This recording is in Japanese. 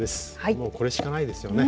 もうこれしかないですよね。